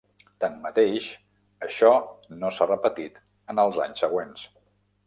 Tanmateix, això no s'ha repetit en els anys següents.